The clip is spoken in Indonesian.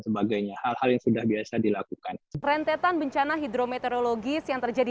sebagainya hal hal yang sudah biasa dilakukan rentetan bencana hidrometeorologis yang terjadi